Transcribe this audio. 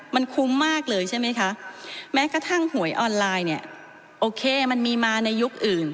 มันคุ้มมากเลยใช่ไหมคะแม้กระทั่งหวยออนไลน์เนี่ยโอเคมันมีมาในยุคอื่น